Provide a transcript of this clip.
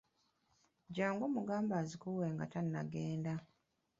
Jjangu omugambe azikuwe nga tannagenda.